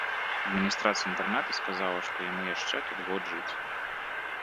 Адміністрацыя інтэрната сказала, што яму яшчэ тут год жыць.